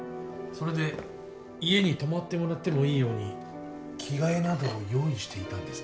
それで家に泊まってもらってもいいように着替えなどを用意していたんですね。